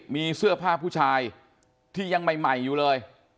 มีเสื้อผ้าผู้ชายที่ยังใหม่อยู่เลย